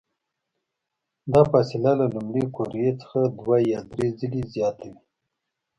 دا فاصله له لومړۍ قوریې څخه دوه یا درې ځلې زیاته وي.